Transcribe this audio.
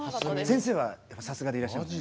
先生はさすがでいらっしゃいますね。